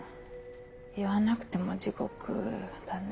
言わなくても地獄だね。